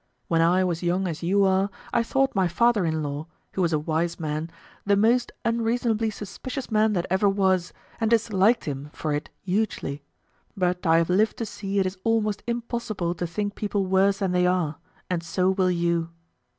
When I was young as you are, I thought my father in law (who was a wise man) the most unreasonably suspicious man that ever was, and disliked him for it hugely; but I have lived to see it is almost impossible to think people worse than they are, and so will you."